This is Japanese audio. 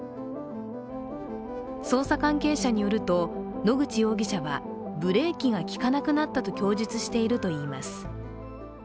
捜査関係者によると野口容疑者はブレーキが利かなくなったと供述しているといいます。